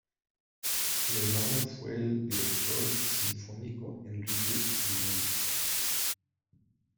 Su hermano fue el director sinfónico Enrique Gimeno.